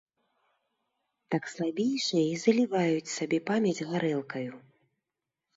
Так слабейшыя і заліваюць сабе памяць гарэлкаю.